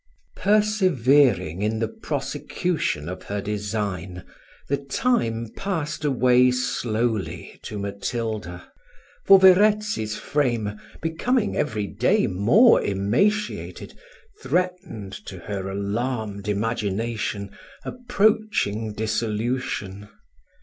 Persevering in the prosecution of her design, the time passed away slowly to Matilda; for Verezzi's frame, becoming every day more emaciated, threatened, to her alarmed imagination, approaching dissolution.